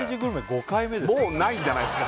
もうないんじゃないですか